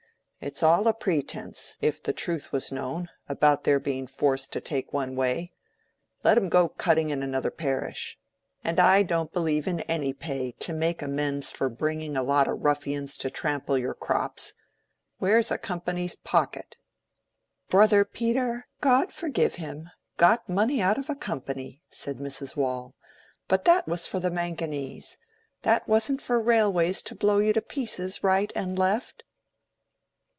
It's all a pretence, if the truth was known, about their being forced to take one way. Let 'em go cutting in another parish. And I don't believe in any pay to make amends for bringing a lot of ruffians to trample your crops. Where's a company's pocket?" "Brother Peter, God forgive him, got money out of a company," said Mrs. Waule. "But that was for the manganese. That wasn't for railways to blow you to pieces right and left."